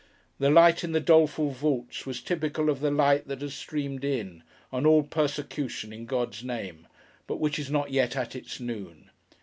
The light in the doleful vaults was typical of the light that has streamed in, on all persecution in God's name, but which is not yet at its noon!